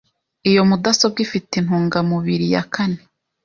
Iyo mudasobwa ifite intungamubiri ya kane.